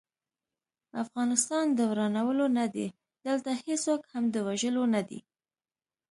افغانستان د ورانولو نه دی، دلته هيڅوک هم د وژلو نه دی